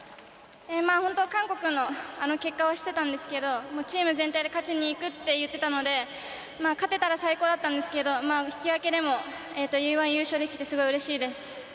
韓国の結果は知っていたんですけどチーム全体で勝ちに行くと言ってたので勝てたら最高だったんですけど引き分けでもＥ‐１優勝できてすごいうれしいです。